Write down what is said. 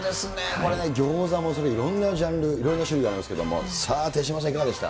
これね、餃子もそうだけど、いろんなジャンル、いろんな種類ありますけど、さあ、手嶋さん、いかがでした？